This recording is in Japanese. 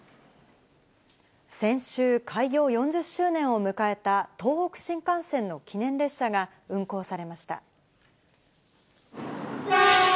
先週、開業４０周年を迎えた東北新幹線の記念列車が運行されました。